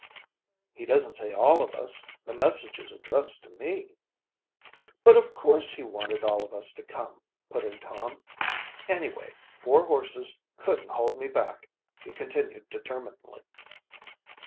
"He doesn't say all of us. The message is addressed to me." "But of course he wanted all of us to come," put in Tom. "Anyway, four horses couldn't hold me back!" he continued determinedly.